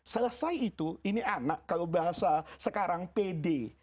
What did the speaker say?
selesai itu ini anak kalau bahasa sekarang pede